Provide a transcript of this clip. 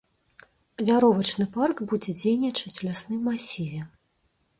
Вяровачны парк будзе дзейнічаць у лясным масіве.